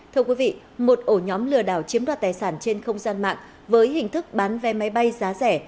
thưa quý vị một ổ nhóm lừa đảo chiếm đoạt tài sản trên không gian mạng với hình thức bán vé máy bay giá rẻ